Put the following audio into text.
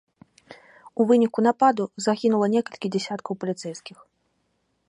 У выніку нападу загінула некалькі дзясяткаў паліцэйскіх.